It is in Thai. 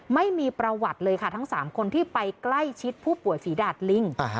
ไม่มีประวัติเลยค่ะทั้ง๓คนที่ไปใกล้ชิดผู้ป่วยฝีดาดลิง